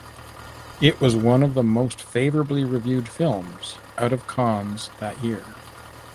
It was one of the most favourably reviewed films out of Cannes that year.